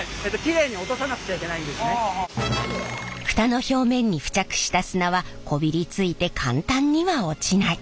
蓋の表面に付着した砂はこびりついて簡単には落ちない。